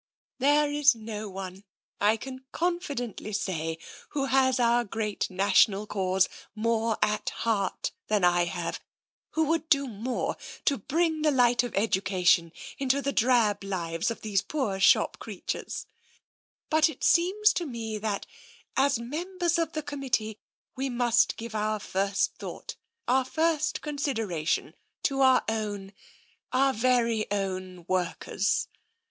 There is no one, I can confidently say, who has our great national cause more at heart than I have, who would do more to bring the light of education into the drab lives of those poor shop creatures, but it seems to me that, as members of the committee, we must give our first thought, our first consideration, to our own — our very own workers.